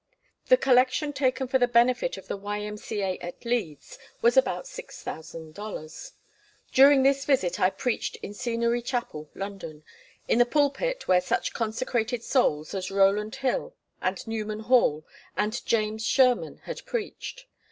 The collection taken for the benefit of the Y.M.C.A. at Leeds was about $6,000. During this visit I preached in Scenery Chapel, London, in the pulpit where such consecrated souls as Rowland Hill and Newman Hall and James Sherman had preached.